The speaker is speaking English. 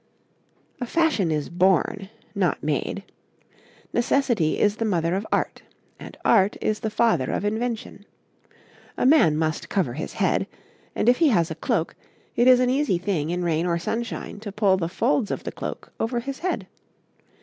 A fashion is born, not made. Necessity is the mother of Art, and Art is the father of Invention. A man must cover his head, and if he has a cloak, it is an easy thing in rain or sunshine to pull the folds of the cloak over his head.